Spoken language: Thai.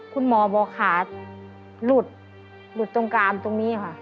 คุณหมอบอกขาหลุดหลุดตรงกรามตรงนี้ค่ะ